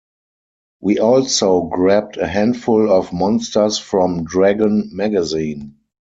We also grabbed a handful of monsters from "Dragon Magazine".